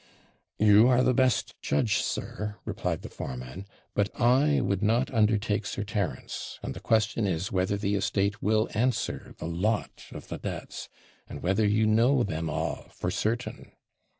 'You are the best judge, sir,' replied the foreman; 'but I would not undertake Sir Terence; and the question is, whether the estate will answer the LOT of the debts, and whether you know them all for certain?'